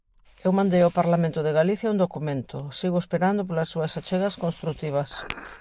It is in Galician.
Eu mandei ao Parlamento de Galicia un documento, sigo esperando polas súas achegas construtivas.